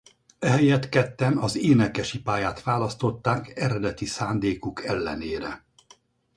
Ehelyett ketten az énekesi pályát választották eredeti szándékuk ellenére.